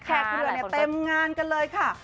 แขกทุเรียเนี่ยเต็มงานกันเลยค่ะ